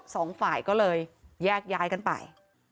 สองฝ่ายก็เลยแยกย้ายกันไป